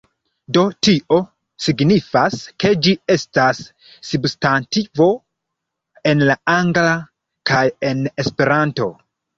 Do tio signifas ke ĝi estas substantivo en la Angla, kaj en Esperanto.